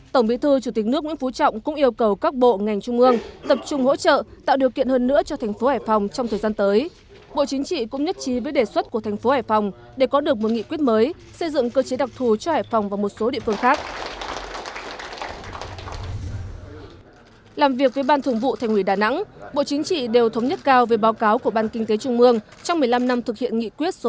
tổng bí thư chủ tịch nước nguyễn phú trọng chúc mừng và đánh giá cao đảng bộ chính quyền và nhân dân thành phố hải phòng trong việc thực hiện nghị quyết số ba mươi hai